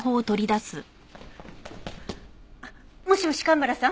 あっもしもし蒲原さん？